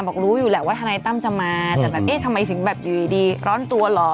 บอกรู้อยู่แหละว่าทนายตั้มจะมาแต่แบบเอ๊ะทำไมถึงแบบอยู่ดีร้อนตัวเหรอ